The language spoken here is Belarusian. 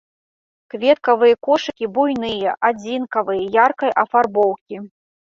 Кветкавыя кошыкі буйныя, адзінкавыя, яркай афарбоўкі.